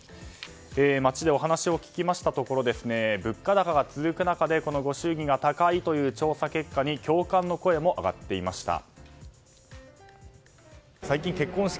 街でお話を聞きましたところ物価高が続く中でご祝儀が高いという調査結果に共感の声も上がっていました。